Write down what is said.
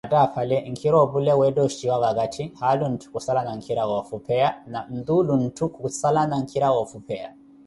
Attaaphale nkhira opule weetta oxhiciwa vakatthi, haalu ntthu khusalana nkhira woofupheya na ntuulu khusalana nkhira woofupheya.